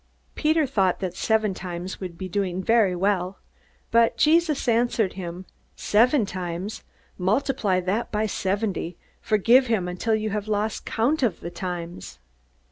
Peter thought that seven times would be doing very well. But Jesus answered: "Seven times! Multiply that by seventy! Forgive him until you have lost count of the times!"